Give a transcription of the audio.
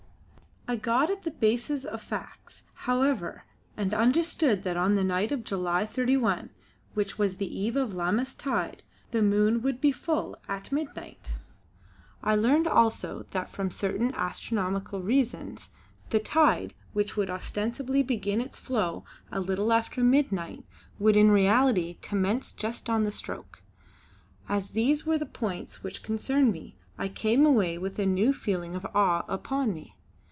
I got at the bases of facts, however, and understood that on the night of July 31, which was the eve of Lammas tide, the moon would be full at midnight. I learned also that from certain astronomical reasons the tide which would ostensibly begin its flow a little after midnight would in reality commence just on the stroke. As these were the points which concerned me I came away with a new feeling of awe upon me.